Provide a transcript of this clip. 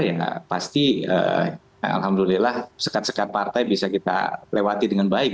ya pasti alhamdulillah sekat sekat partai bisa kita lewati dengan baik